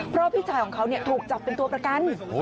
เพราะพี่ชายของเขาถูกจับเป็นตัวประกัน